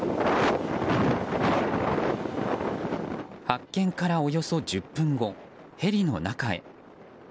発見から、およそ１０分後ヘリの中へ。